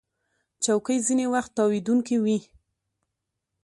چوکۍ ځینې وخت تاوېدونکې وي.